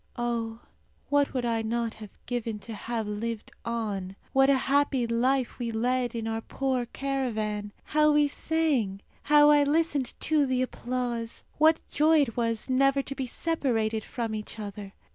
Oh, what would I not have given to have lived on! What a happy life we led in our poor caravan! How we sang! How I listened to the applause! What joy it was never to be separated from each other!